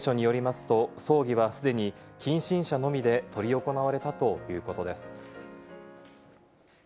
所属事務所によりますと、葬儀はすでに近親者のみで執り行われたということです。